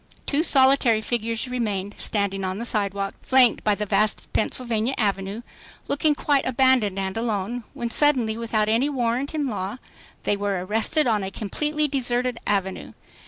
Two solitary figures remained, standing on the sidewalk, flanked by the vast Pennsylvania Avenue, looking quite abandoned and alone, when suddenly without any warrant in law, they were arrested on a completely deserted avenue.